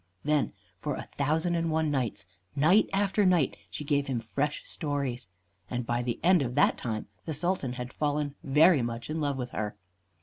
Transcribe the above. Then for a thousand and one nights, night after night, she gave him fresh stories, and by the end of that time the Sultan had fallen very much in love with her.